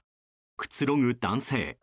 くつろぐ男性。